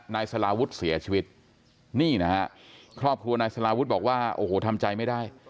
นายสลาวุฒิเสียชีวิตนี่นะฮะครอบครัวนายสลาวุฒิบอกว่าโอ้โหทำใจไม่ได้